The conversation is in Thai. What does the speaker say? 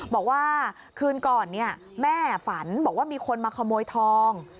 บอกว่าคืนก่อนแม่ฝันบอกว่ามีคนมาขโมยทอง